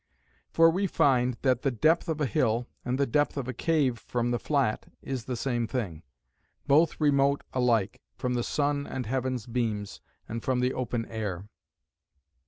For we find, that the depth of a hill, and the depth of a cave from the flat, is the same thing; both remote alike, from the sun and heaven's beams, and from the open air.